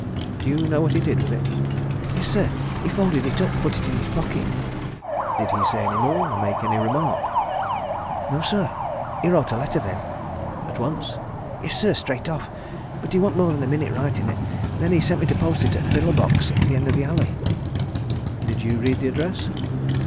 "Do you know what he did with it?" "Yes, sir he folded it up and put it in his pocket." "Did he say any more make any remark?" "No, sir. He wrote a letter then." "At once?" "Yes, sir straight off. But he wasn't more than a minute writing it. Then he sent me to post it at the pillar box, at the end of the Alley." "Did you read the address?"